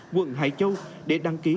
quận hải châu để đăng ký